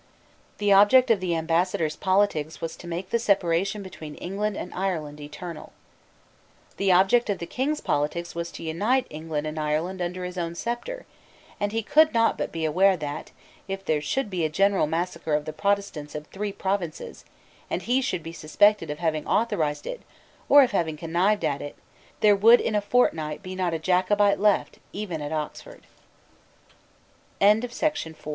The object of the Ambassador's politics was to make the separation between England and Ireland eternal. The object of the King's politics was to unite England and Ireland under his own sceptre; and he could not but be aware that, if there should be a general massacre of the Protestants of three provinces, and he should be suspected of having authorised it or of having connived at it, there would in a fortnight be not a Jacobite left even at Oxford, Just at